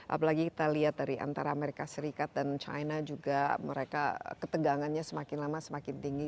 apalagi kita lihat dari antara amerika serikat dan china juga mereka ketegangannya semakin lama semakin tinggi